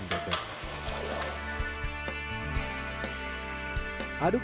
ini diem dan aduk